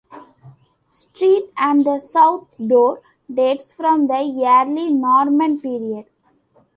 Street and the south door dates from the early Norman period.